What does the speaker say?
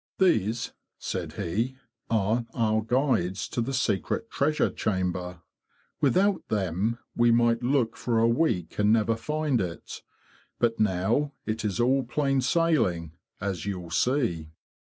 '" These,'' said he, '' are our guides to the secret treasure chamber. Without them we might look for a week and never find it. But now it is all plain sailing, as you'll see."